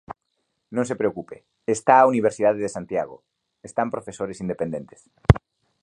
Non se preocupe, está a Universidade de Santiago, están profesores independentes.